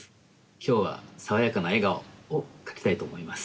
きょうはさわやかな笑顔を描きたいとおもいます。